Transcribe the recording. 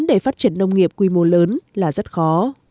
để phát triển nông nghiệp quy mô lớn là rất khó